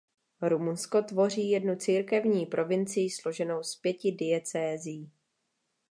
Rumunsko tvoří jednu církevní provincii složenou z pěti diecézí.